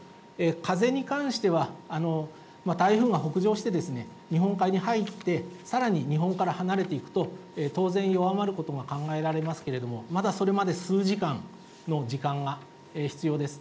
風に関しては、台風が北上して、日本海に入って、さらに日本から離れていくと、当然、弱まることが考えられますけれども、まだそれまで数時間の時間が必要です。